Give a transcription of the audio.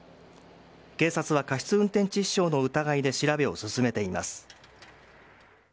警察は過失運転致死傷の疑いで調べを進めています。